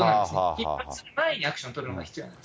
ひっ迫する前に、アクション取るのが必要なんです。